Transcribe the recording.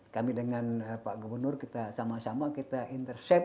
kami dengan pak gubernur kita sama sama kita intercept